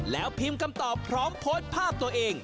แล้วพิมพ์คำตอบพร้อมโพสต์ภาพตัวเอง